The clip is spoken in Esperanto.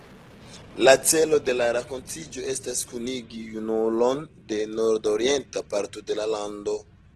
La celo de la renkontiĝo estas kunigi junulon de nordorienta parto de la lando.